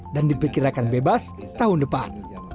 dan diperkirakan bebas tahun depan